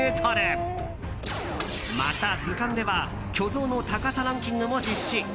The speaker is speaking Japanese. また、図鑑では巨像の高さランキングも実施。